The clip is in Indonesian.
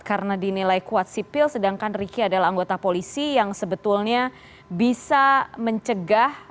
karena dinilai kuat sipil sedangkan ricky adalah anggota polisi yang sebetulnya bisa mencegah